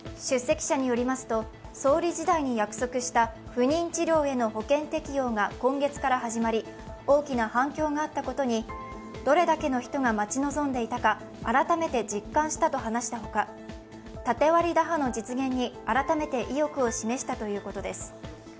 出席者によりますと、総理時代に約束した不妊治療への保険適用が今月から始まり大きな反響があったことにどれだけの人が待ち望んでいたか改めて実感したと話したほか、縦割り打破の実現に改めて意欲を示したということです。